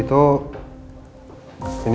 ini proyeknya harus segera direalisasikan ya